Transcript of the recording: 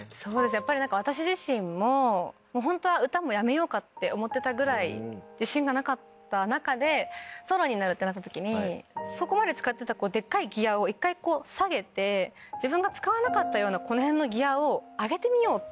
やっぱり私自身もホントは歌もやめようかって思ってたぐらい自信がなかった中でソロになるってなった時にそこまで使ってたデッカいギアを一回下げて自分が使わなかったようなこの辺のギアを上げてみようって。